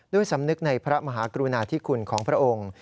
สำนึกในพระมหากรุณาธิคุณของพระองค์